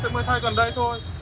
mới thay gần đây thôi